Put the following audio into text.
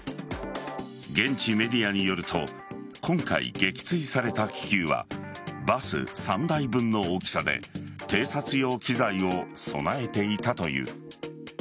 現地メディアによると今回撃墜された気球はバス３台分の大きさで偵察用機材を備えていたという。